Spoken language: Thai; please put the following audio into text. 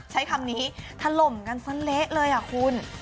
ใช้คำนี้ถล่มกันสั้นเละเลยอ่ะคุณ